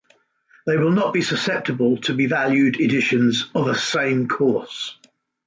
They will not be susceptible to be valued editions of a same course.